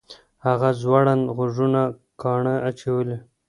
هغه ځوړند غوږونه کاڼه اچولي